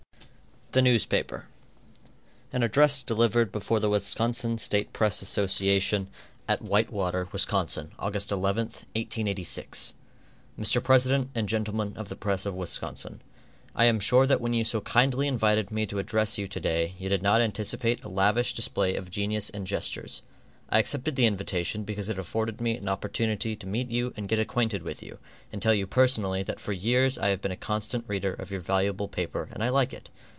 The Newspaper. An Address Delivered Before the Wisconsin State Press Association, at White Water, Wis., August 11, 1886. Mr. President and Gentlemen of the Press of Wisconsin: I am sure that when you so kindly invited me to address you to day, you did not anticipate a lavish display of genius and gestures. I accepted the invitation because it afforded me an opportunity to meet you and to get acquainted with you, and tell you personally that for years I have been a constant reader of your valuable paper and I like it.